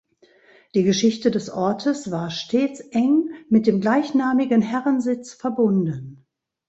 Die Geschichte des Ortes war stets eng mit dem gleichnamigen Herrensitz verbunden.